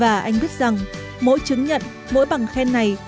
và anh biết rằng mỗi chứng nhận mỗi bằng khen này